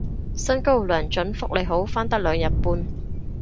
薪高糧準福利好返得兩日半